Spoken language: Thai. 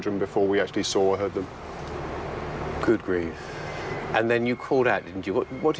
เราสนุกความสงสารใจในการสร้างเห็นพวกมันเป็นอยู่ดี